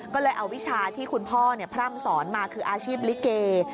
ก็เลยเอาวิชาที่คุณพ่อพร่ำสอนมาคืออาชีพลิเก